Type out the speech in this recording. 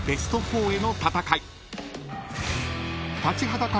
［立ちはだかる